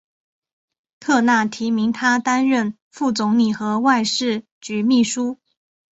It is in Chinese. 特纳提名他担任副总理和外事局秘书。